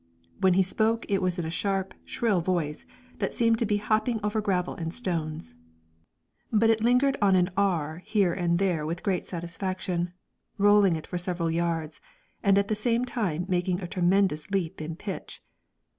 When he spoke it was in a sharp, shrill voice, that seemed to be hopping over gravel and stones; but it lingered on an "r" here and there with great satisfaction, rolling it over for several yards, and at the same time making a tremendous leap in pitch.